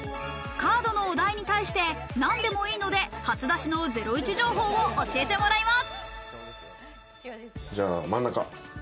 カードのお題に対して何でもいいので初出しのゼロイチ情報を教えてもらいます。